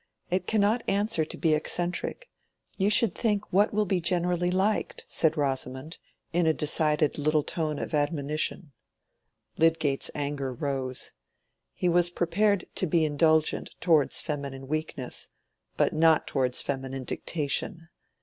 It cannot answer to be eccentric; you should think what will be generally liked," said Rosamond, in a decided little tone of admonition. Lydgate's anger rose: he was prepared to be indulgent towards feminine weakness, but not towards feminine dictation.